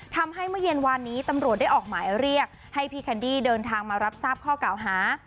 เมื่อเย็นวานนี้ตำรวจได้ออกหมายเรียกให้พี่แคนดี้เดินทางมารับทราบข้อเก่าหา